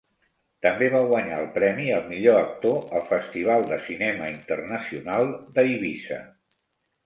També va guanyar el Premi al Millor Actor al Festival de Cinema Internacional d'Eivissa.